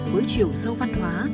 với chiều sâu văn hóa